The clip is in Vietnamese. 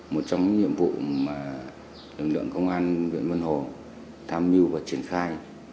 một trong những nhiệm vụ mà lực lượng công an huyện vân hồ tham mưu và triển khai